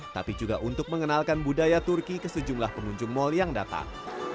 tapi juga untuk mengenalkan budaya turki ke sejumlah pengunjung mal yang datang